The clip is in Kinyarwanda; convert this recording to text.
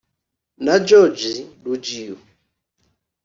na Georges Ruggiu